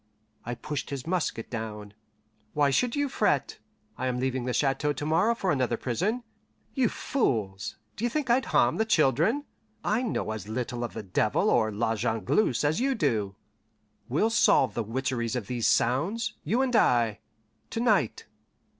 I pushed his musket down. "Why should you fret? I am leaving the chateau to morrow for another prison. You fools, d'ye think I'd harm the children? I know as little of the devil or La Jongleuse as do you. We'll solve the witcheries of these sounds, you and I, to night.